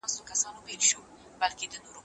داستاني اثار د انساني ژوند ژوري کیسې دي.